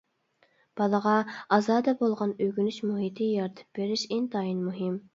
بالىغا ئازادە بولغان ئۆگىنىش مۇھىتى يارىتىپ بېرىش ئىنتايىن مۇھىم.